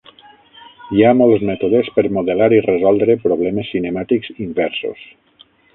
Hi ha molts mètodes per modelar i resoldre problemes cinemàtics inversos.